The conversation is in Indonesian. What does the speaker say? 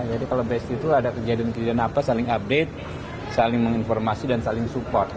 jadi kalau besti itu ada kejadian kejadian apa saling update saling menginformasi dan saling support